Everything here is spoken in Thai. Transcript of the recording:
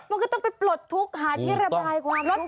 มันก็ต้องไปปลดทุกข์หาที่ระบายความรถ